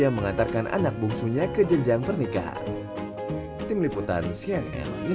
yang mengantarkan anak bungsunya ke jenjang pernikahan